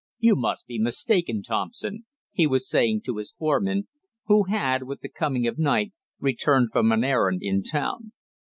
"You must be mistaken, Thompson!" he was saying to his foreman, who had, with the coming of night, returned from an errand in town.